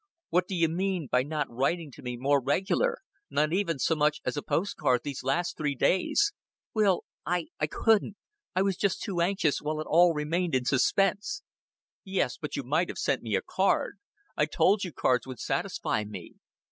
What d'ye mean by not writing to me more regular? Not even so much as a post card these last three days!" "Will I, I couldn't. I was too anxious while it all remained in suspense." "Yes, but you might have sent me a card. I told you cards would satisfy me.